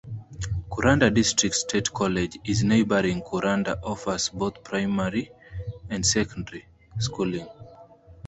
Kuranda District State College in neighbouring Kuranda offers both primary and secondary schooling.